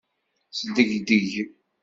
Sdegdeg.